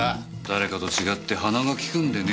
誰かと違って鼻が利くんでね。